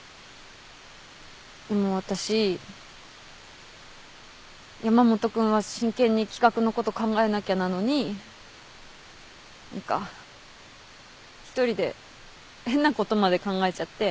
でも私山本君は真剣に企画のこと考えなきゃなのに何か一人で変なことまで考えちゃって。